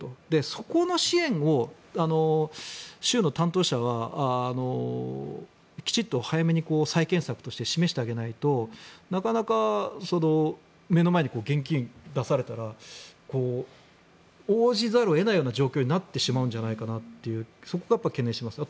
そこの支援を州の担当者はきちんと早めに再建策として示してあげないとなかなか目の前に現金出されたら応じざるを得ないような状況になってしまうんじゃないかというそこを懸念していますね。